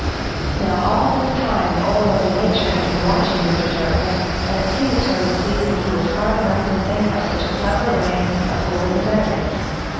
"Now all this time Old Mother Nature had been watching Mr. Turtle, and it pleased her to see that he was smart enough to think of such a clever way of fooling his enemies.